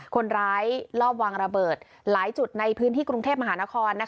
คนร้ายลอบวางระเบิดหลายจุดในพื้นที่กรุงเทพมหานคร